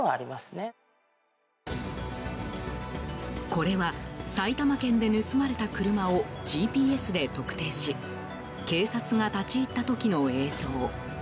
これは、埼玉県で盗まれた車をＧＰＳで特定し警察が立ち入った時の映像。